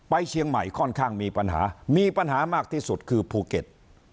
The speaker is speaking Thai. เชียงใหม่ค่อนข้างมีปัญหามีปัญหามากที่สุดคือภูเก็ต